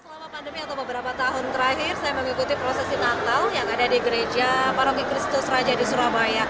selama pandemi atau beberapa tahun terakhir saya mengikuti prosesi natal yang ada di gereja paroki kristus raja di surabaya